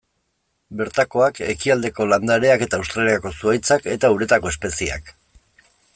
Bertakoak, ekialdeko landareak eta Australiako zuhaitzak, eta uretako espezieak.